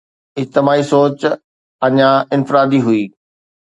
اجتماعي سوچ اڃا انفرادي هئي